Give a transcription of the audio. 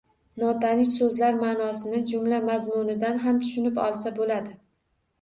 Notanish so'zlar ma’nosini jumla mazmunidan ham tushunib olsa bo‘ladi.